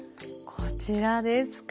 こちらですか。